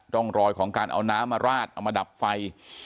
ร่องรอยของการเอาน้ำมาราดเอามาดับไฟ